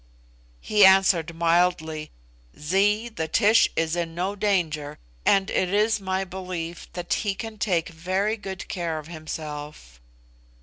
He answered mildly, "Zee, the Tish is in no danger and it is my belief the he can take very good care of himself."